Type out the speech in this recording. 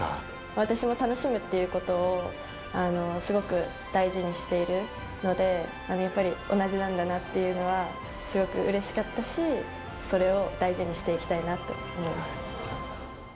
私も楽しむっていうことを、すごく大事にしているので、やっぱり同じなんだなっていうのは、すごくうれしかったし、それを大事にしていきたいなと思いました。